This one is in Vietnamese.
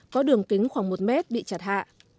có đường kính khoảng một mét bị chặt hạ